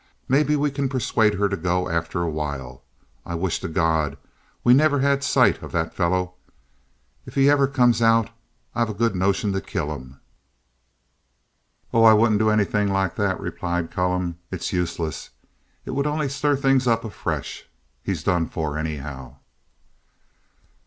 Maybe we can persuade her to go after a while. I wish to God we had never had sight of that fellow. If ever he comes out, I've a good notion to kill him." "Oh, I wouldn't do anything like that," replied Callum. "It's useless. It would only stir things up afresh. He's done for, anyhow."